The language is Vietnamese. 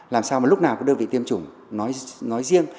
làm sao mà lúc nào có đơn vị tiêm chủng nói riêng